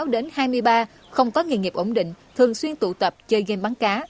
sáu đến hai mươi ba không có nghề nghiệp ổn định thường xuyên tụ tập chơi game bắn cá